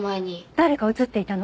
誰か映っていたの？